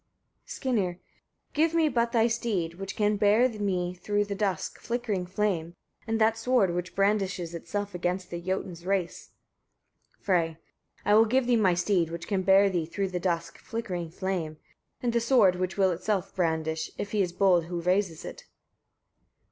Skirnir. 8. Give me but thy steed, which can bear me through the dusk, flickering flame, and that sword, which brandishes itself against the Jotuns' race. Frey. 9. I will give thee my steed, which can bear thee through the dusk, flickering flame, and that sword, which will itself brandish, if he is bold who raises it.